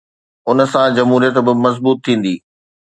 ان سان جمهوريت به مضبوط ٿيندي.